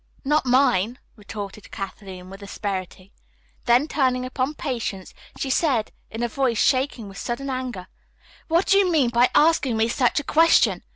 "Not mine," retorted Kathleen with asperity. Then, turning upon Patience, she said in a voice shaking with sudden anger: "What do you mean by asking me such a question?